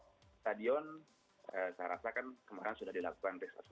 kemarin sudah dilakukan risk assessment terhadap